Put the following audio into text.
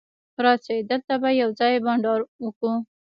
راسئ! دلته به یوځای بانډار وکو.